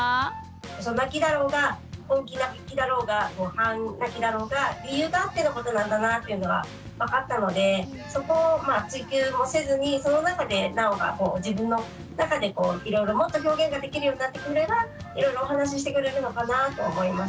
うそ泣きだろうが本気泣きだろうが半泣きだろうが理由があってのことなんだなっていうのは分かったのでそこを追及をせずにその中でなおが自分の中でいろいろもっと表現ができるようになってくればいろいろお話ししてくれるのかなと思いました。